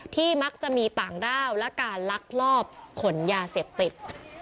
มักจะมีต่างด้าวและการลักลอบขนยาเสพติด